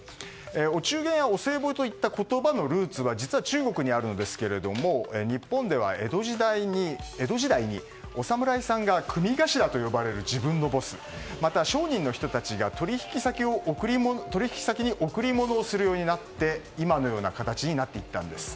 お中元やお歳暮といった言葉のルーツは実は中国にありますが日本では、江戸時代にお侍さんが組頭と呼ばれる自分のボスまた、商人の人たちが取引先に贈り物をするようになって今のような形になっていったんです。